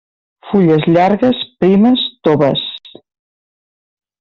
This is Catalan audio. Fulles llargues, primes, toves.